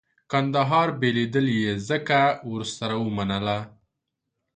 کندهار بېلېدل یې ځکه ورسره ونه منل.